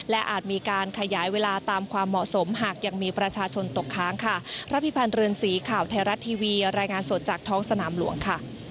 และอาจมีการขยายเวลาตามความเหมาะสมหากยังมีประชาชนตกค้างค่ะ